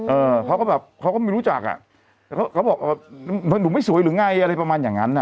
เออเขาก็แบบเขาก็ไม่รู้จักอ่ะเขาบอกแบบหนูไม่สวยหรือไงอะไรประมาณอย่างนั้นอ่ะ